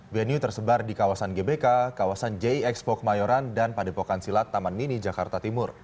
venue tersebar di kawasan gbk kawasan jx pogmayoran dan padepokan silat taman nini jakarta timur